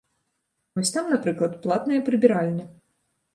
Вось там, напрыклад, платная прыбіральня.